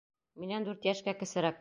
Минән дүрт йәшкә кесерәк...